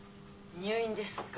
入院ですか。